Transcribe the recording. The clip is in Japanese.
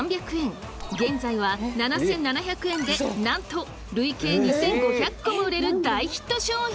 現在は７，７００円でなんと累計２，５００個も売れる大ヒット商品に！